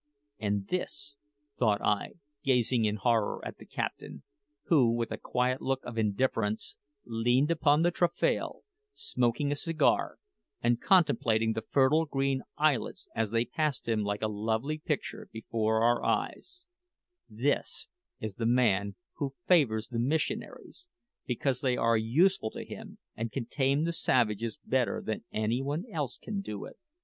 "And this," thought I, gazing in horror at the captain, who, with a quiet look of indifference, leaned upon the taffrail, smoking a cigar and contemplating the fertile green islets as they passed like a lovely picture before our eyes "this is the man who favours the missionaries because they are useful to him and can tame the savages better than any one else can do it!"